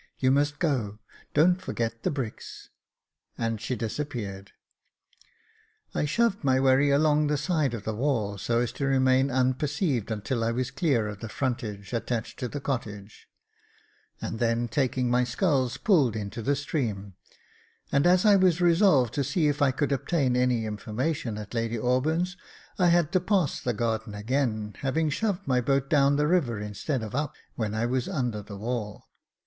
" You must go — don't forget the bricks ;" and she dis appeared. I shoved my wherry along by the side of the wall, so as to remain unperceived until I was clear of the frontage attached to the cottage ; and then, taking my sculls, pulled into the stream ; and as I was resolved to see if I could obtain any information at Lady Auburn's, I had to pass the garden again, having shoved my boat down the river instead of up, when I was under the wall.